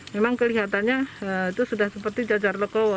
memang kelihatannya itu sudah seperti jajar lekowo